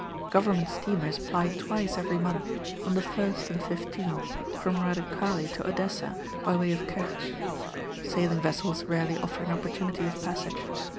Government steamers ply twice every month, on the 1st and 15th, from Redutkale to Odessa, by way of Kertsch. Sailing vessels rarely offer an opportunity of passage.